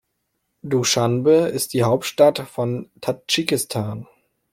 Duschanbe ist die Hauptstadt von Tadschikistan.